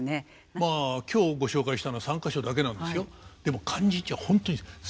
まあ今日ご紹介したのは３か所だけなんですよ。